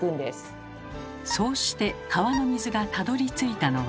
そうして川の水がたどりついたのは。